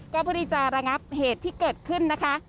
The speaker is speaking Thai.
ก็เพื่อที่จะระงับเหตุที่เกิดขึ้นนะคะ